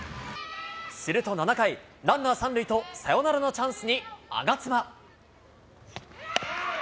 すると７回、ランナー３塁とサヨナラのチャンスに我妻。